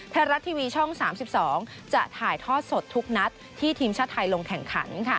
ไทยรัฐทีวีช่อง๓๒จะถ่ายทอดสดทุกนัดที่ทีมชาติไทยลงแข่งขัน